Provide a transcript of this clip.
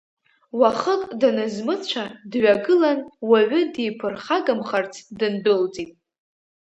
Уахык данызмыцәа, дҩагылан, уаҩы диԥырхагамхарц, дындәылҵит.